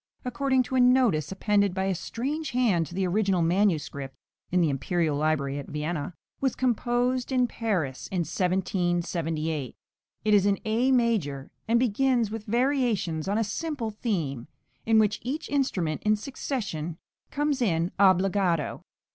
according to a notice appended by a strange hand to the original manuscript (in the imperial library at Vienna), was composed in Paris in 1778. It is in A major, and begins with variations on a simple theme, in which each instrument in succession comes in obbligato.